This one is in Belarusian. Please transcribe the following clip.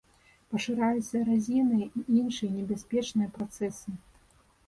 Пашыраюцца эразійныя і іншыя небяспечныя працэсы.